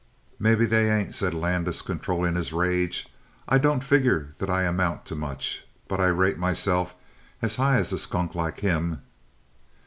"Maybe they ain't," said Landis, controlling his rage. "I don't figure that I amount to much. But I rate myself as high as a skunk like him!"